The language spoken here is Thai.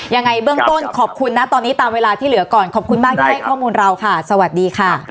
ยังไงเบื้องต้นขอบคุณนะตอนนี้ตามเวลาที่เหลือก่อนขอบคุณมากที่ให้ข้อมูลเราค่ะสวัสดีค่ะ